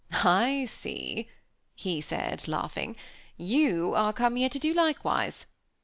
"I see," he said, laughing, "you are come here to do likewise.